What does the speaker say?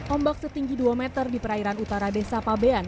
ombak setinggi dua meter di perairan utara desa pabean